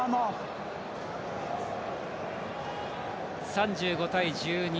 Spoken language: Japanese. ３５対１２。